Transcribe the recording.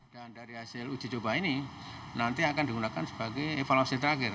dan dari hasil uji coba ini nanti akan digunakan sebagai evaluasi terakhir